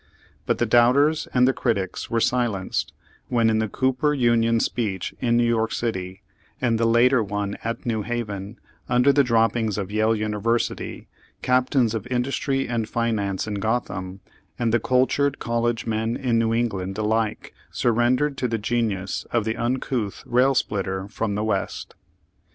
But the doubters and the critics were Page Thirty two Page Thirty three silenced when in the Cooper Union Speech in New York Cit5^ and the later one at New Haven, under the droppings of Yale University, captains of in dustry and finance in Gotham, and the cultured college men in New England alike surrendered to the genius of the uncouth rail splitter from the West.